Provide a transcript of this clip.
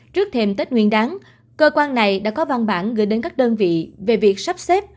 trước thêm tết nguyên đáng cơ quan này đã có văn bản gửi đến các đơn vị về việc sắp xếp